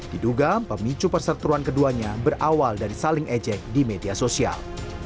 diduga pemicu perseturuan keduanya berawal dari saling ejek di media sosial